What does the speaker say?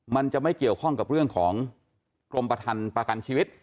มันจะไม่เกี่ยวข้องกับเรื่องของกรมประทันประกันชีวิต